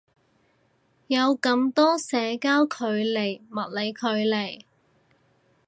有咁多社交距離物理距離